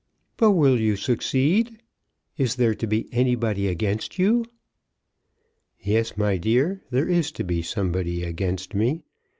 "But will you succeed? Is there to be anybody against you?" "Yes, my dear; there is to be somebody against me.